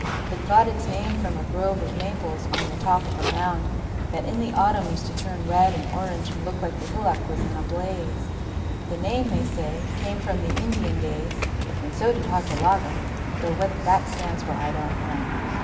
It got its name from a grove of maples on the top of a mound that in the autumn used to turn red and orange and look like the hillock was in a blaze. The name, they say, came from the Indian days and so did Hochalaga, though what that stands for I don't know.